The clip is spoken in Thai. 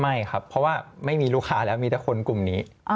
ไม่ครับเพราะว่าไม่มีลูกค้าแล้วมีแต่คนกลุ่มนี้